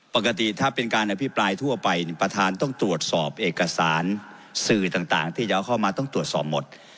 ปกติถ้าเป็นการอภิปรายทั่วไปประธานต้องตรวจสอบเอกสารสื่อต่างที่จะเอาเข้ามาต้องตรวจสอบหมด